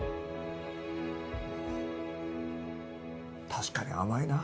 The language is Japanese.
確かに甘いな。